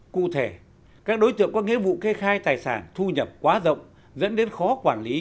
cụ thể các đối tượng có nghĩa vụ kê khai tài sản thu nhập quá rộng dẫn đến khó quản lý